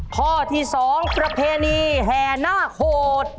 ข้อที่สองประเพณีแห่หน้าโหด